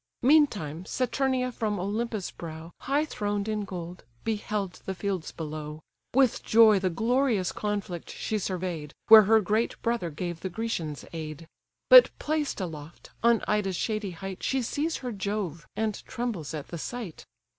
Meantime Saturnia from Olympus' brow, High throned in gold, beheld the fields below; With joy the glorious conflict she survey'd, Where her great brother gave the Grecians aid. But placed aloft, on Ida's shady height She sees her Jove, and trembles at the sight.